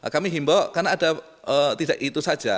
kami himbok karena ada tidak itu saja